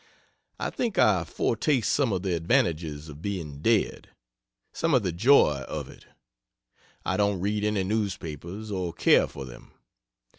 I think I foretaste some of the advantages of being dead. Some of the joy of it. I don't read any newspapers or care for them.